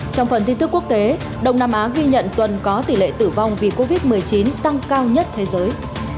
trong phần tin tức quốc tế đông nam á ghi nhận tuần có tỷ lệ tử vong vì covid một mươi chín tăng cao nhất thế giới